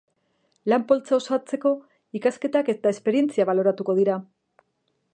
Lan-poltsa osatzeko, ikasketak eta esperientzia baloratuko dira.